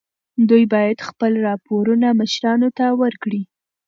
دوی باید خپل راپورونه مشرانو ته ورکړي.